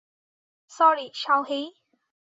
Sorry, শাওহেই।